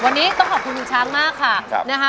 วันนี้ต้องขอบคุณคุณช้างมากค่ะนะคะ